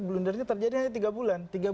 blundernya terjadi hanya tiga bulan